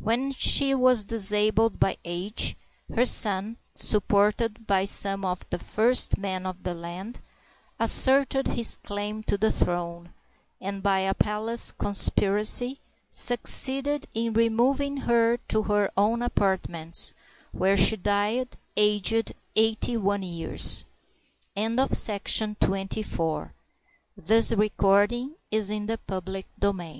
When she was disabled by age, her son, supported by some of the first men of the land, asserted his claim to the throne, and by a palace conspiracy succeeded in removing her to her own apartments, where she died, aged eighty one years. THE FOUNDING OF HAN LIN COLLEGE BY REV. WILLIAM SPEER The